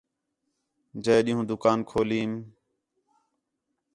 جئے ݙِین٘ہوں دُکان کھولیم